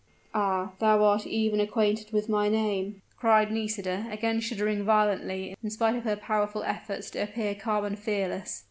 "Ah! thou art even acquainted with my name," cried Nisida, again shuddering violently in spite of her powerful efforts to appear calm and fearless.